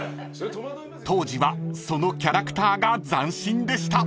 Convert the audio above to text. ［当時はそのキャラクターが斬新でした］